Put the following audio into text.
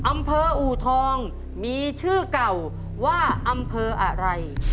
อำเภออูทองมีชื่อเก่าว่าอำเภออะไร